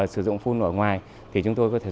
sử dụng phun ở ngoài thì chúng tôi có thể